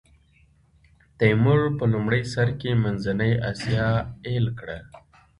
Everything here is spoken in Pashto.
تیمور په لومړي سر کې منځنۍ اسیا ایل کړه.